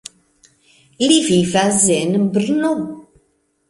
Li vivas en Brno.